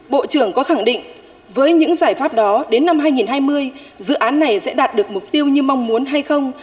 bộ trưởng có khẳng định với những giải pháp đó đến năm hai nghìn hai mươi dự án này sẽ đạt được mục tiêu như mong muốn hay không